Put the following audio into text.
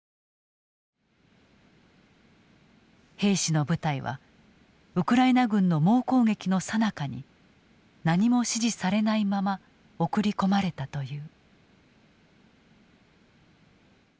兵士の部隊はウクライナ軍の猛攻撃のさなかに何も指示されないまま送り込まれたという。